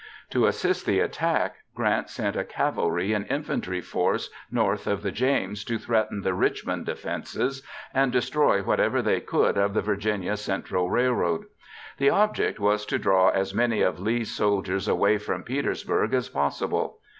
To assist the attack, Grant sent a cavalry and infantry force north of the James to threaten the Richmond defenses and destroy whatever they could of the Virginia Central Railroad. The object was to draw as many of Lee's soldiers away from Petersburg as possible.